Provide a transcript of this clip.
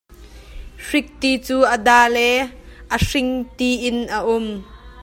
Hrikti cu a da le a hring ti in an um.